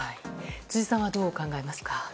辻さんは、どう考えますか。